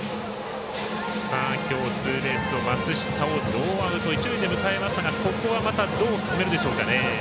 きょうツーベースの松下をノーアウト、一塁で迎えましたがここは、どう進めるでしょうかね。